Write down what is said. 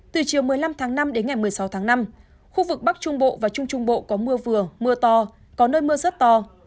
từ chiều một mươi năm tháng năm đến ngày một mươi sáu tháng năm khu vực bắc trung bộ và trung trung bộ có mưa vừa mưa to có nơi mưa rất to